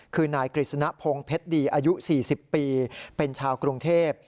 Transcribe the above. คือนายกฤษณพงศ์เพชรดีอายุ๔๐ปีเป็นชาวกรุงเทพ